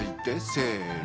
せの。